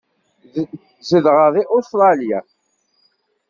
Zedɣeɣ deg Ustṛalya.